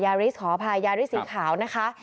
ริสขออภัยยาริสสีขาวนะคะ